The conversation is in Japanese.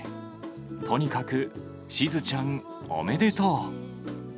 とにかくしずちゃん、おめでとう。